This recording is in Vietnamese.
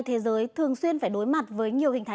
thế giới thường xuyên phải đối mặt với nhiều hình thái